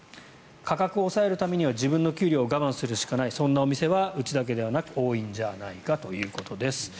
価格を抑えるためには自分の給料を我慢するしかないそんなお店はうちだけではなく多いんじゃないかということです。